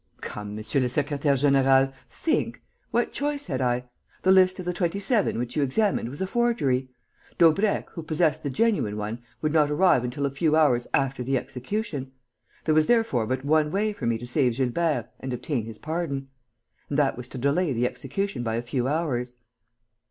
"Come, monsieur le secrétaire; général, think! What choice had I? The list of the Twenty seven which you examined was a forgery. Daubrecq, who possessed the genuine one, would not arrive until a few hours after the execution. There was therefore but one way for me to save Gilbert and obtain his pardon; and that was to delay the execution by a few hours."